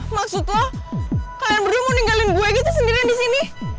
maksudnya kalian berdua mau ninggalin gue gitu sendirian di sini